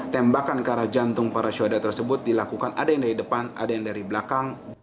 tembakan ke arah jantung para syuhada tersebut dilakukan ada yang dari depan ada yang dari belakang